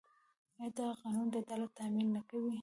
آیا دا قانون د عدالت تامین نه کوي؟